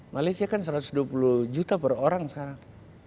malaysia kan satu ratus dua puluh juta per orang sekarang